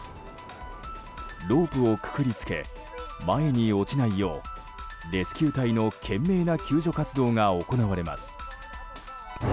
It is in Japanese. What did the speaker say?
ロープを括り付け前に落ちないようレスキュー隊の懸命な救助活動が行われます。